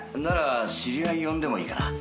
なら知り合い呼んでもいいかな？